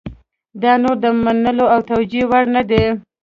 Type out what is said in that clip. دا نور د منلو او توجیه وړ نه ده.